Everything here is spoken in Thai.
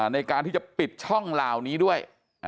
ในการที่จะปิดช่องเหล่านี้ด้วย